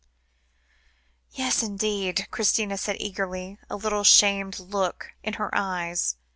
"Yes, indeed," Christina said eagerly, a little shamed look in her eyes.